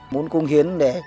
muốn cung hiến đấy